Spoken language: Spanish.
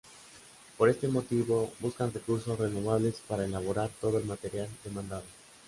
Por este motivo, buscan recursos renovables para elaborar todo el material demandado.